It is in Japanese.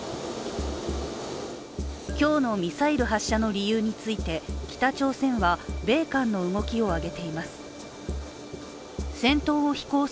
今日のミサイル発射の理由について北朝鮮は米韓の動きを挙げています。